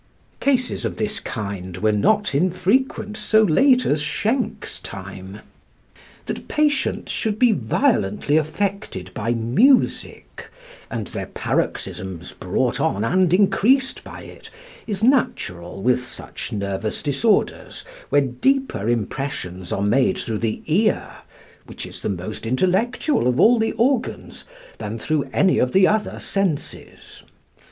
Cases of this kind were not infrequent so late as Schenck's time. That patients should be violently affected by music, and their paroxysms brought on and increased by it, is natural with such nervous disorders, where deeper impressions are made through the ear, which is the most intellectual of all the organs, than through any of the other senses.